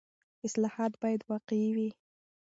اصلاحات باید واقعي وي.